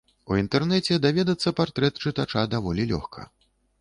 У інтэрнэце даведацца партрэт чытача даволі лёгка.